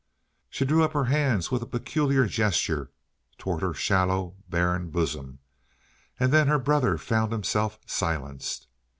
She drew up her hands with a peculiar gesture toward her shallow, barren bosom, and then her brother found himself silenced.